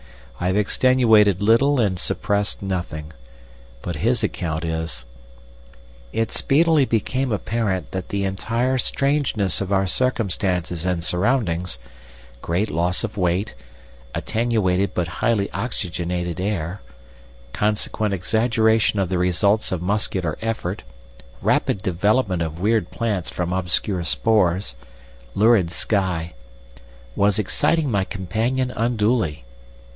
I have extenuated little and suppressed nothing. But his account is:— "It speedily became apparent that the entire strangeness of our circumstances and surroundings—great loss of weight, attenuated but highly oxygenated air, consequent exaggeration of the results of muscular effort, rapid development of weird plants from obscure spores, lurid sky—was exciting my companion unduly.